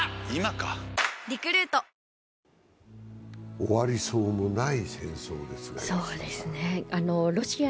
⁉終わりそうもない戦争ですが安田さん。